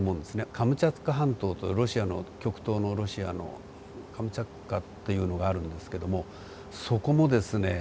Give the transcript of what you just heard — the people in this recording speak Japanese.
カムチャツカ半島というロシアの極東のロシアのカムチャツカっていうのがあるんですけどもそこもですね